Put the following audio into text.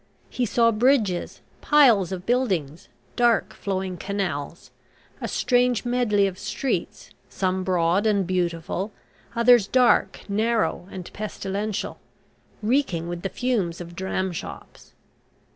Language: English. He saw bridges, piles of buildings, dark flowing canals, a strange medley of streets, some broad and beautiful, others dark, narrow and pestilential, reeking with the fumes of dram shops.